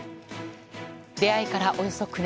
出会いから、およそ９年。